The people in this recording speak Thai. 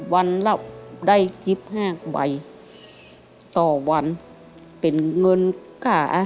วันแล้วได้๑๕บาทค่ะ